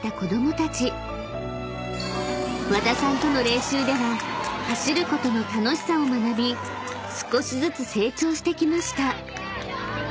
［和田さんとの練習では走ることの楽しさを学び少しずつ成長してきました］